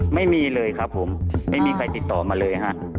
ไม่มีเลยครับผมไม่มีใครติดต่อมาเลยฮะ